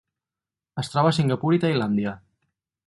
Es troba a Singapur i Tailàndia.